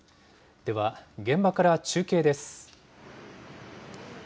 では現場から中継です。